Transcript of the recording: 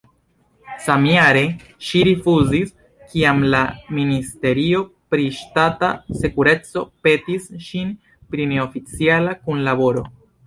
Samjare ŝi rifuzis, kiam la ministerio pri ŝtata sekureco petis ŝin pri neoficiala kunlaboro.